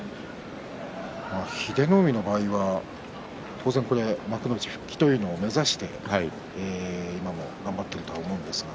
英乃海の場合は当然幕内復帰というのを目指して頑張っていると思うんですが。